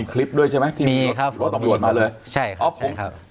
มีคลิปด้วยใช่ไหมที่รถตำรวจมาเลยใช่ครับ